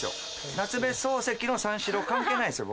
夏目漱石の『三四郎』関係ないですよ